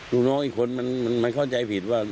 ลูกน้องอีกคนมันเข้าใจผิดว่า